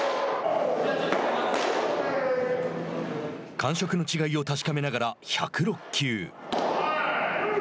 感触の違いを確かめながら１０６球。